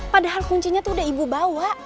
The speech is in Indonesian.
padahal kuncinya tuh udah ibu bawa